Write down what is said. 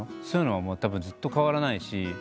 そういうのはたぶんずっと変わらないし。